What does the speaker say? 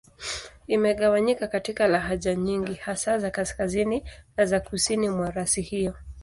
Imegawanyika katika lahaja nyingi, hasa za Kaskazini na za Kusini mwa rasi hiyo.